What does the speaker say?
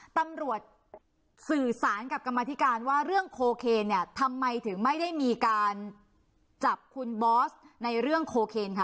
ตำรวจสื่อสารกับกรรมธิการว่าเรื่องโคเคนเนี่ยทำไมถึงไม่ได้มีการจับคุณบอสในเรื่องโคเคนค่ะ